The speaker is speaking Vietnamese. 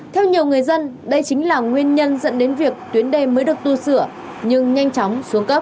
theo nhiều người dân đây chính là nguyên nhân dẫn đến việc tuyến đê mới được tu sửa nhưng nhanh chóng xuống cấp